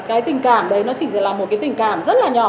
cái tình cảm đấy nó chỉ là một cái tình cảm rất là nhỏ